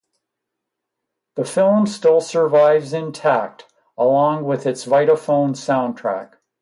The film still survives intact along with its Vitaphone soundtrack.